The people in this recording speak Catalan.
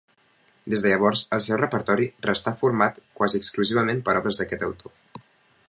Des de llavors el seu repertori restà format quasi exclusivament per obres d'aquest autor.